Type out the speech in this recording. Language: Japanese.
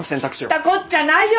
知ったこっちゃないよ